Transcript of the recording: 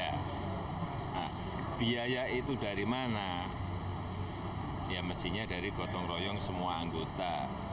nah biaya itu dari mana ya mestinya dari gotong royong semua anggota